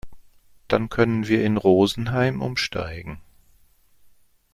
Dann können wir in Rosenheim umsteigen.